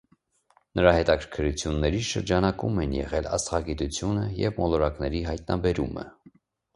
Նրա հետաքրքրությունների շրջանակում են եղել աստղագիտությունը և մոլորակների հայտնաբերումը։